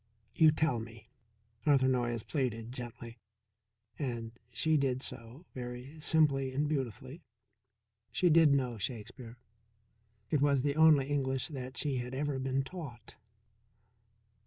"You tell me," Arthur Noyes pleaded gently. And she did so very simply and beautifully. She did know Shakespeare; it was the only English that she had ever been taught.